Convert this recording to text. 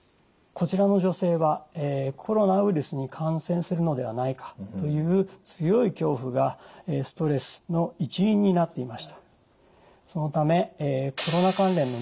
こちらの女性はコロナウイルスに感染するのではないかという強い恐怖がストレスの一因になっていました。